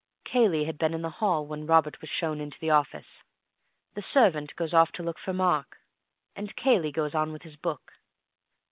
Cayley had been in the hall when Robert was shown into the office. The servant goes off to look for Mark, and Cayley goes on with his book.